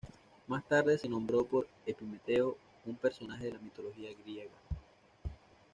Más tarde se nombró por Epimeteo, un personaje de la mitología griega.